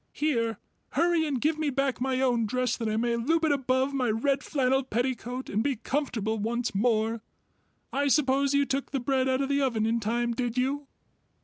"Here, hurry and give me back my own dress that I may loop it above my red flannel petticoat and be comfortable once more. I suppose you took the bread out of the oven in time did you?"